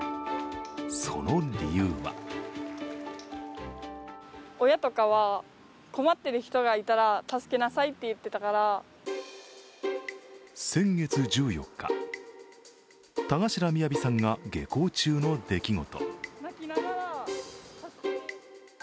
その理由は先月１４日、田頭雅さんが下校中の出来事。